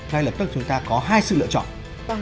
ngay lập tức chúng ta có hai sự lựa chọn